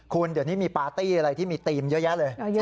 คุณเดี๋ยวนี้มีปาร์ตี้อะไรที่มีธีมเยอะแยะเลย